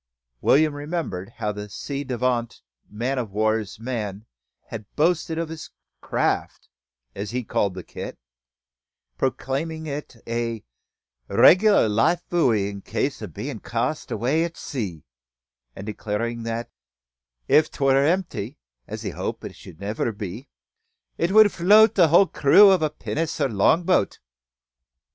William remembered how the ci devant man o' war's man had boasted of his craft, as he called the kit, proclaiming it "a reg'lar life buoy in case o' bein' cast away at sea," and declaring that, "if 't war emp'y, as he hoped it never should be, it would float the whole crew o' a pinnace or longboat."